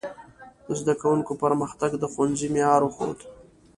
د زده کوونکو پرمختګ د ښوونځي معیار وښود.